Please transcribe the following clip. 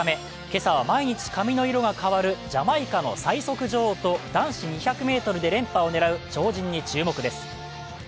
今朝は、毎日髪の色が変わるジャマイカの最速女王と男子２００ｍで連覇を狙う超人に注目です。